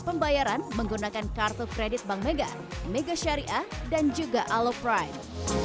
pembayaran menggunakan kartu kredit bank mega mega syariah dan juga aloprime